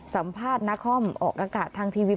สัมภาษณ์นาคอมออกอากาศทางทีวี